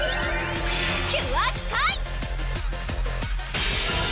キュアスカイ！